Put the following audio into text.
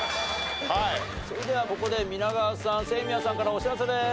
それではここで皆川さん清宮さんからお知らせです。